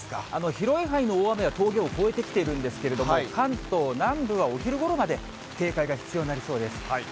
広い範囲の大雨は峠を越えてきているんですけれども、関東南部はお昼ごろまで警戒が必要になりそうです。